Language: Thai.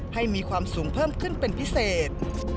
ให้มีความสูงเพิ่มขึ้นเป็นพิเศษ